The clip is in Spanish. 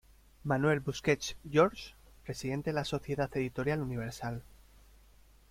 Manuel Busquets George, presidente de la Sociedad Editora Universal.